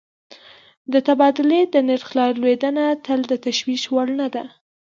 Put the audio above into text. د تبادلې د نرخ رالوېدنه تل د تشویش وړ نه ده.